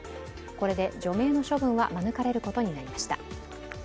これで除名の処分は免れることになりました。